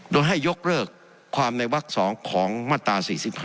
โดยให้ยกเลิกความในวัก๒ของมาตรา๔๕